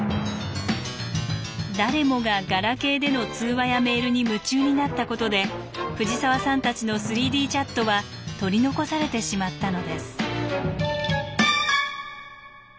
誰もがガラケーでの通話やメールに夢中になったことで藤沢さんたちの３Ｄチャットは取り残されてしまったのです。